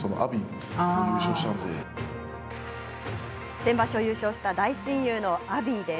先場所優勝した大親友の阿炎です。